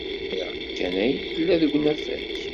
Imir-a kan ay yella deg unafag.